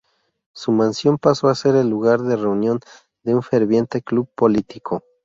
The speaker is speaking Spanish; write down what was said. Su mansión pasó a ser el lugar de reunión de un ferviente club político.